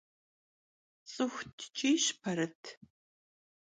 Ts'ıxu tç'iyş Perıt.